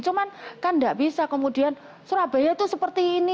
cuma kan tidak bisa kemudian surabaya itu seperti ini